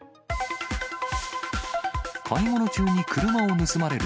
買い物中に車を盗まれる。